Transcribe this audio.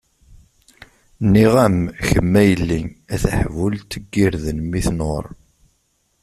Nniɣ-am, kemm a yelli, a taḥbult n yirden mi tnuṛ.